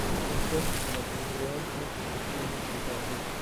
Dunque sono congruenti per il primo criterio.